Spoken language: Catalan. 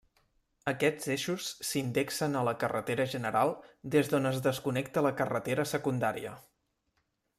Aquests eixos s'indexen a la carretera general des d'on es desconnecta la carretera secundària.